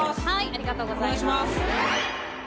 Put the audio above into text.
ありがとうございます。